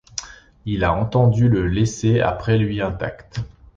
Il a entendu le laisser après lui intact.